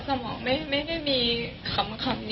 ทุกเช้าเราทำอะไรกันบ้าง